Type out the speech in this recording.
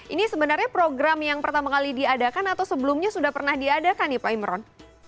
ini sebenarnya program yang pertama kali diadakan atau sebelumnya sudah pernah diadakan nih pak imron